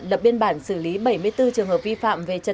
lập biên bản xử lý bảy mươi bốn trường hợp vi phạm